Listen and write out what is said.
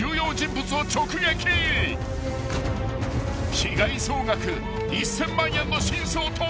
［被害総額１，０００万円の真相とは］